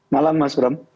malam mas ram